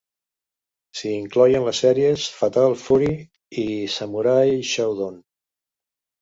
S'hi incloïen les sèries "Fatal Fury" i "Samurai Shodown".